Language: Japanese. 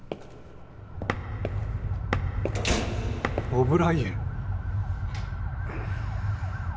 オブライエン。